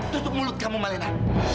tutup mulut kamu malena